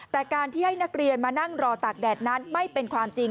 แต่การที่ให้นักเรียนมานั่งรอตากแดดนั้นไม่เป็นความจริง